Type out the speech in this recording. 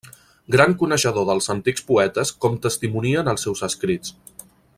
Gran coneixedor dels antics poetes com testimonien els seus escrits.